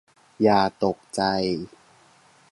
อย่าตกใจ